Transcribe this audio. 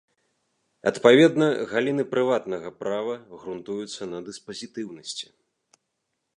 Адпаведна, галіны прыватнага права грунтуюцца на дыспазітыўнасці.